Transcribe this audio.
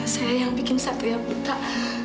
saya yang bikin satu yang putak